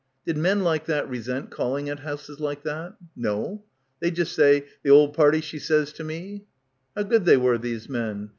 Did men like that resent call ing at houses like that? No. They'd just say, "The ole party she sez to me." How good they were, these men.